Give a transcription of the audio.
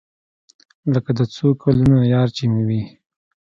لکه د څو کلونو يار چې مې وي.